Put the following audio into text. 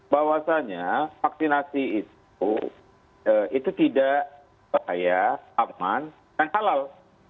bahwasannya vaksinasi itu itu tidak bahaya aman dan halal